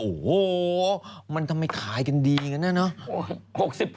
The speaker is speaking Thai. โอ้โหมันทำไมขายกันดีกันนะเนอะ